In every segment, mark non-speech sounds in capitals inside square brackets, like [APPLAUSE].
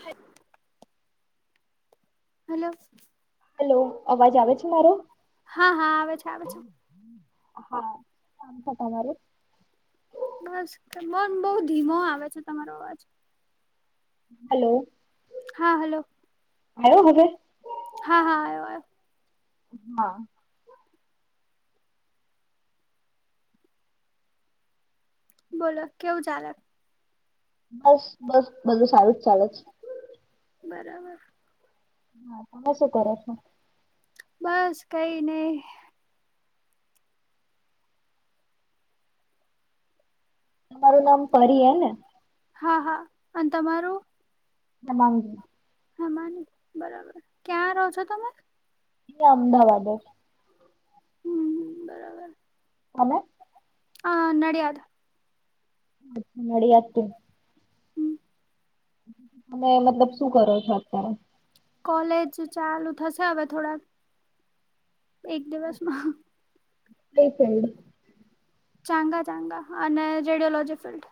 હ [UNINTELLIGIBLE] hello. Hello, અવાજ આવે છે મારો? હા હા આવે છે આવે છે. હા, શ થ તમારે? બસ મન બહુ ધીમો આવે છે તમારો અવાજ. હલો. હા હલો. હું હ [UNINTELLIGIBLE] હા હા આ આવ. હા. બોલો કેવું ચાલે? બસ બસ બધું સારું જ ચાલું જ. બરાબર. હા તમે શું કરો છો? બસ કઈ નહ. તારું નામ પરી હ ને? હા હા અને તમારું? [UNINTELLIGIBLE] હેમાની બરાબર, ક્યાં રહો છો તમે? એ અમદાવાદ. હમ બરાબર. તમે? હ નડ્યાદ. નડિયાદ કે? તમે મતલબ શું કરો છો અત્યારે? કોલેજ ચાલુ થશે અવે થોડાક એક દિવસમાં. કઈ ફિલ્ડ ચાંગા ચાંગા અને રેડિયોલોજીકલ ફિલ્ડ.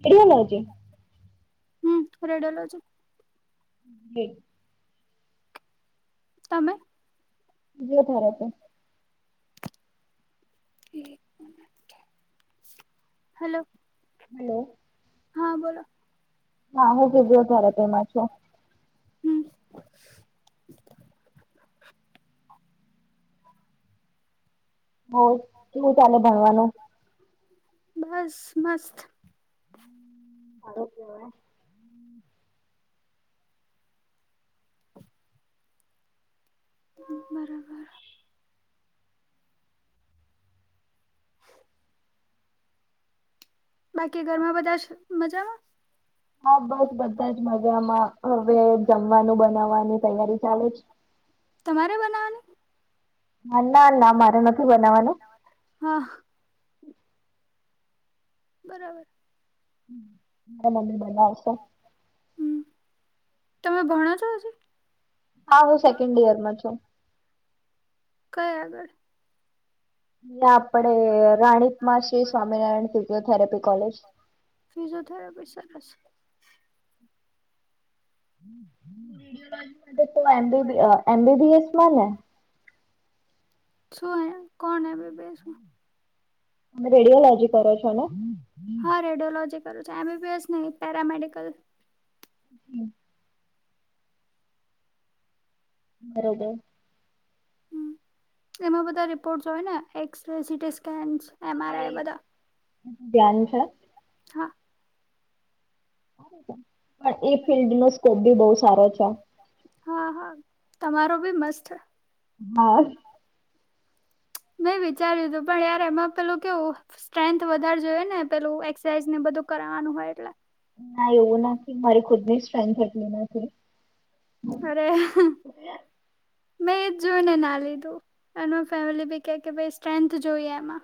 ટેકનોલોજી? હમ રેડિયોલોજી. હમ. તમે? [UNINTELLIGIBLE] હલો. હલો. હા બોલો. હા હું કીધું તારે તેમાં છું. હમ. હોય કેવું ચાલે ભણવાનું? બસ મસ્ત. [UNINTELLIGIBLE] બરાબર. બાકી ઘરમાં બધા મજામા? હા બસ બધા જ મજામાં હવે જમવાનું બનાવવાની તૈયારી ચાલે છે. તમારે બનાવવાની? ના ના મારે નથી બનાવવાનું. હા. બરાબર. મારા મમ્મી બનાવ છે‌. હમ, તમે ભણો છો હજી? હા હું સેકન્ડ ઈયર માં છું. કઈ આગળ? આપણે રાણીપ માં શ્રી સ્વામિનારાયણ ફિઝિયોથેરાપી કોલેજ. [UNINTELLIGIBLE] તો એ એમ બી બી એસ માને? શું એ કોણ એમ બી બી એસ મા? તમે રેડિયોલોજી કરો છો ને? હા રેડિયોલોજીક છે એમ બી બી એસ નઈ પેરામેડિકલ. હમ. બરોબર. હ, એમાં બધા રિપોર્ટ્સ હોય ને એક્સરે સીટી સ્કેન્સ એમ હા આર એ આઈ બધા. [UNINTELLIGIBLE] હા. પણ એ ફિલ્ડનો સ્કોપ ભી બોઉ સારો છે. હા હા, તમારો બી મસ્ત. હા. મેં વિચાર્યું હતું પણ યાર એમાં પેલું કેવું. સ્ટ્રેન્થ વધારે જોઈએ ને પેલું એક્સસાઇઝ ને બધું કરવાનું હોય, એટલે. ના એવું નથી મારી ખુદની સ્ટ્રેન્થ એટલી નથી. અરે. મેં એ જ જોઈને ના લીધું, એનું ફેમિલી બી કે કે ભાઈ સ્ટ્રેન્થ જોઈએ એમાં.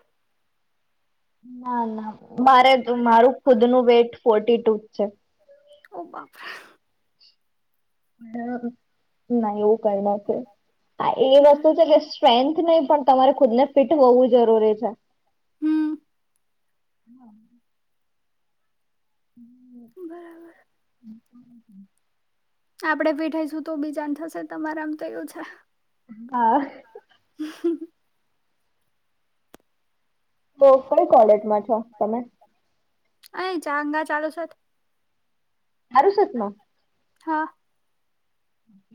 ના ના મારે મારું ખુદનું વેટ ફોર્ટી ટુ જ છે. ઓ બાપા. હા ના એવું કઈ નથી છે. આ એ વસ્તુ છે હમ કે સ્ટ્રેન્થ નહી પણ તમારે ખુદને ફિટ હોવું જરૂરી છે. હમ્મ. હા. હા. બરાબર. હમ્મ. [UNINTELLIGIBLE] આપણે બેઠાઈશું તો બીજાને થશે તમારા આમ તો ઓછા. હા. [UNINTELLIGIBLE] તો કઈ કોલેજમાં છો તમે? અહી ચંગા ચાલુ છે. હારું છે તણે? હા.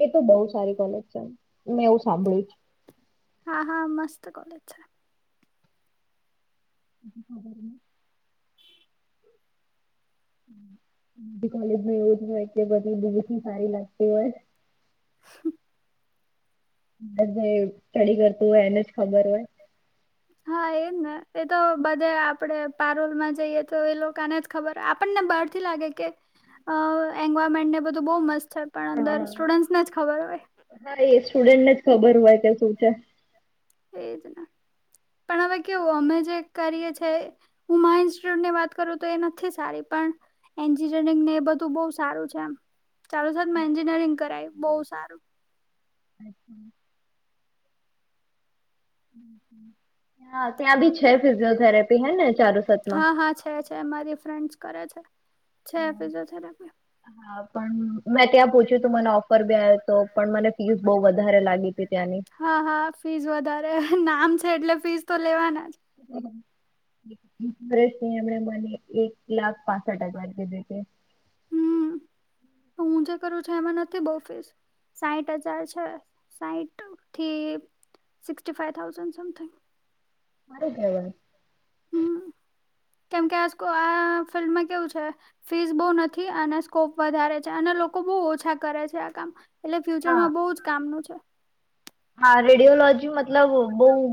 એ તો બહુ સારી કોલેજ છે ને, મેં એવું સાંભળ્યું છે. હા હા મસ્ત કોલેજ છે. [INAUDIBLE] [INAUDIBLE] [INAUDIBLE] બીજુ કોલેજમાં એવું જ હોય એટલે બધી બી સારી લાગતી હોય. હા. [UNINTELLIGIBLE] જે સ્ટડી કરતું હોય એને જ ખબર હોય. હા, એમ ને એ તો બધે આપણે પારોલમાં જઈએ તો એ લોકોને જ ખબર આપણને બહારથી લાગે કે એન્વાયરમેન્ટ ને બધું બહુ મસ્ત છે પણ અંદર હા સ્ટુડન્ટ્સને જ ખબર હોય. હા એ સ્ટુડન્ટને જ ખબર હોય કે શું છે. એજના પણ હવે કેવું અમે જે કરીએ છે. હું માઈન્ડ સેટની વાત કરું તો એ નથી સારી પણ એન્જિનિયરિંગ ને એ બધું બહ સારું છે, ચાલો સર મે એન્જિનિયરિંગ કરાવે બહું સારું. અચ્છા. હા ત્યાં બી છે ફિઝિયોથેરેપી હે ને ચારુસતમાં? હા હા છે મારી ફ્રેન્ડસ કરે છે, ફિઝિયોથેરાપી. હા પણ મેં ત્યાં પૂછ્યું તું મને ઓફર બી આવ હતો પણ મને ફીસ બહુ વધારે લાગી હતી ત્યાંની. હા હા ફીસ વધારે નામ છે એટલે ફીસ તો લેવાના જ. હમ્મ. ઇન્જિનરની એમણે મને એક લાખ પાસ હજાર કીધું કે. હમ્મ, હું જે કરું છું એમાં નથી બહું ફીસ. સાઠ હજાર છે, સાઠથી સિક્ટિય ફાઈવ થાઉઝન્ડ સમથીંગ. મારે જવાય. હમ કેમ કે આ આ ફિલ્ડમાં કેવું છે. ફીસ બહુ નથી અને સ્કોપ વધારે છે અને લોકો બહુ ઓછા કરે છે આ કામ. એટલે હા ફ્યુચરમાં બહુ જ કામનું છે. હા રેડિયોલોજી મતલબ બહું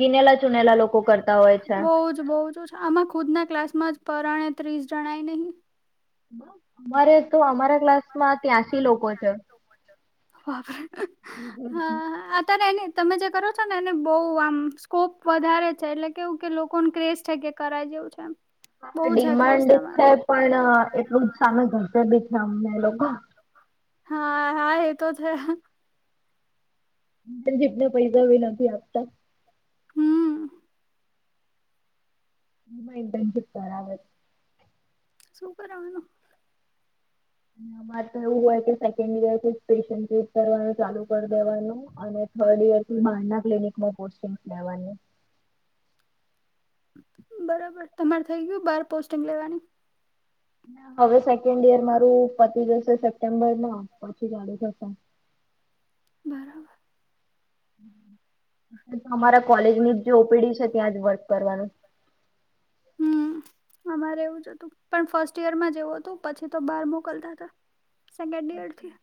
ગીનેલા ચૂનેલા લોકો કરતા હોય છે. બઉં જ બઉં જ. આમાં ખુદના ક્લાસમાં જ પરાણે ત્રીસ જણાય નહીં. અમારે તો અમારા ક્લાસ માં ત્યાંસી લોકો છે. હા આ તેની જ તમે જે કરો છો ને એને બઉ આમ સ્કોપ વધારે છે એટલે કેવું કે લોકોને ક્રેઝ છે કે કરાય જેવું છે એમ. હા બહુ છે ક્રેઝ ડિમાન્ડ છે તમારે પણ એટલું જ સામે ઘડતર બી છે અમને એ લોકો. હા હા એ તો છે. જેટલા પૈસા બી નથી આપતા. હમ હા, ઇન્ટર્નશિપ કરાવે. શું કરવાનું? અમારે તો એવું હોય કે, સેકન્ડ યરથી સ્પેશયલ ટ્રીપ કરવાનું ચાલુ કરી દેવાનું, અને થર્ડ યર થી બહારના ક્લિનિકમાં પોસ્ટિંગ લેવાનું. બરાબર, તમારે થઇ ગયું, બાર પોસ્ટિંગ લેવાની. હવે સેકન્ડ યર મારું પતિ જશે, સપ્ટેમ્બરમાં પછી ચાલુ થશે. બરાબર. તો અમારા કોલેજ ની જ જે ઓપીડી છે, ત્યાં જ વર્ક કરવાનું. હમ. અમારે એવું જ હતું, પણ ફર્સ્ટ યરમાં જ એવું હતું, પછી તો બહાર મોકલતા હતા. સેકન્ડ યરથી.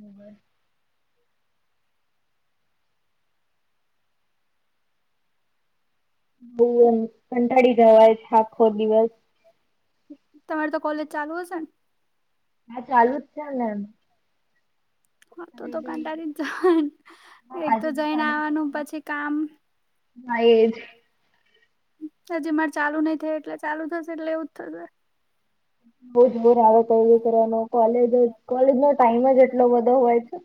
બરાબર. બહું એમ કંટાળી જવાય છે, આખો દિવસ. તમારી તો કોલેજ ચાલુ હશે ને? હા, ચાલુ જ છે ને એમ. હ, તો આજે તો બી કંટાળી જ જવાય ને, એક તો જઈને ચાલુ જ આવવાનું હતું પછી કામ હા, એ જ. હજી મારે ચાલુ નઈ થયું, એટલે ચાલુ થશે, એટલે એવું જ થશે. બઉ જ બર હાલત હોય, કરવાનો, કોલેજ જ કોલેજ નો ટાઈમ જ એટલો બધો હોય છે.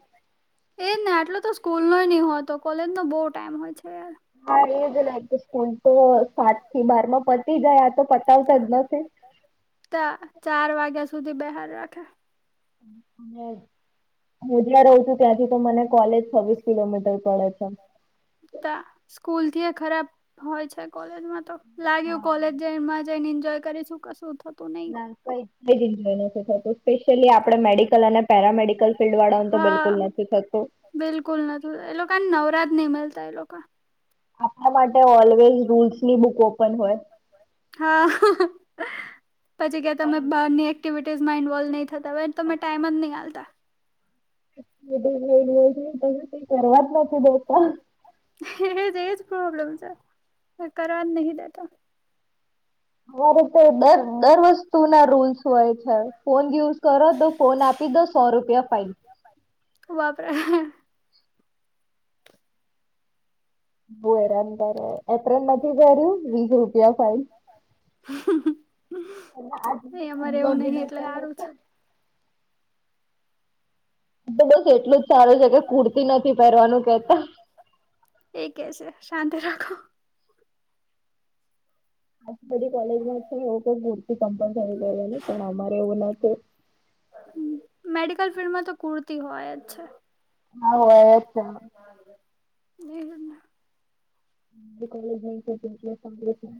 એજ ને આટલો તો સ્કૂલનો નહિ હોતો, કોલેજ નો બહુ ટાઈમ હોય છે. હા, એ જ લાગે કે, સ્કૂલ તો સાત થી બાર માં પતી જાય, આ તો પતાવતા જ નથી. તા ચાર વાગ્યા સુધી બેહારી રાખે. અને હું જ્યાં રહું છું, ત્યાંથી તો મને કોલેજ છવ્વીસ કિલોમીટર પડે છે. તા સ્કૂલથી ય ખરાબ હોય છે, કોલેજમાં તો લાગ્યું, કોલેજ જાય એમાં જ ઈન્જોય કરીશું? કશું થ ના, કઈ કઈ જ ઈન્જોય નથી થતું. સ્પેશિયલી આપણે મેડિકલ અને પેરામેડિકલ ફિલ્ડ વાળાનું તો હા બિલકુલ નથી થતું. બિલકુલ નતું, એ લોકોને નવરા જ નિમલતા એ લોકો આપણા માટે ઓલવેઝ રૂલ્સ ની બુક ઓપન હોય. હા, પછી કહે, તમે કઈ બહારની એક્ટિવિટીઝ માં ઇન્વોલ્વ નહી થતા હોય. તમે ટાઈમ જ ની આલતા. કશું કરવા જ નથી દેતા. એજ એજ પ્રોબ્લેમ છે, કરવા જ નહી દેતા. હવારે. દર દર વસ્તુ ના રૂલ્સ હોય છે, ફોન યુઝ કરો, તો ફોન આપી દો. સો રૂપિયા ફાઇલ. વાપરે. હું બો હેરાન કરે, એપ્રન નથી કર્યું, વીસ રૂપિયા ફાઇન. એ આજ એ અમારે એવું નહિ એટલે સારું છે [UNINTELLIGIBLE] તો બસ એટલું જ સારું છે કે, કુર્તી નથી પહેરવાનું કેતા. એ કહે છે, શાંતિ રાખો. આ બધી કોલેજમાં જ છે, એવું કોઈ મૂર્તિ કમ્પલસરી કરેલી, પણ અમારે એવું નથી. હ, મેડિકલ ફિલ્ડમાં તો કુર્તી હોય જ છે. હા. બ [UNINTELLIGIBLE] કોલેજ એ.